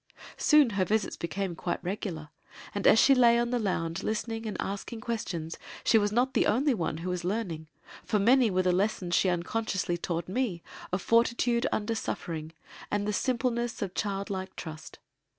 Soon her visits became quite regular and as she lay on the lounge listening and asking questions she was not the only one who was learning for many were the lessons she unconsciously taught me of fortitude under suffering, and the simpleness of childlike trust.